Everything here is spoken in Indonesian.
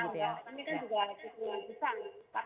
ini kan juga cukup besar